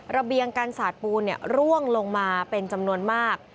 ระเบียงกันสาดปูนร่วงลงมาเป็นจำนวนมาก